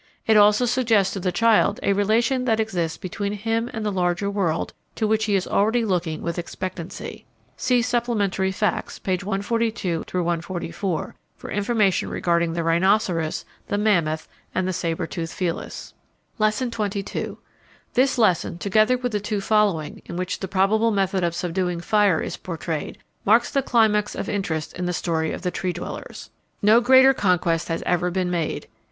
It also suggests to the child a relation that exists between him and the larger world to which he is already looking with expectancy. (See Supplementary Facts, pp. 142 144, for information regarding the rhinoceros, the mammoth, and the sabre toothed felis.) Lesson XXII. This lesson, together with the two following, in which the probable method of subduing fire is portrayed, marks the climax of interest in the story of the Tree dwellers. No greater conquest has ever been made.